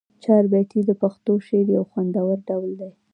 چهاربیتې د پښتو شعر یو خوندور ډول دی.